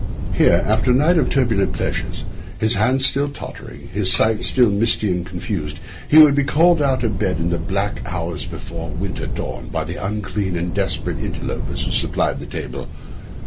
Here, after a night of turbulent pleasures, his hand still tottering, his sight still misty and confused, he would be called out of bed in the black hours before the winter dawn by the unclean and desperate interlopers who supplied the table.